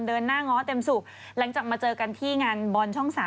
เดินหน้าง้อเต็มสุกหลังจากมาเจอกันที่งานบอลช่อง๓